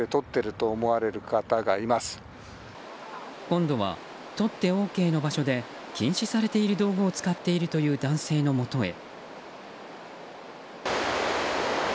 今度はとってＯＫの場所で禁止されている道具を使っているという男性のもとへ。